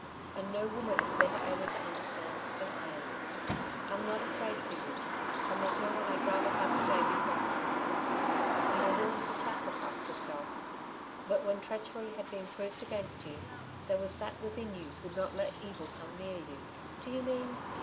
And no woman is better able to understand than I am. I'm not afraid for you ... and there's no one I'd rather have for Davey's wife than you. You were willing to sacrifice yourself. But when treachery had been proved against you, there was that within you would not let evil come near you." "Do you mean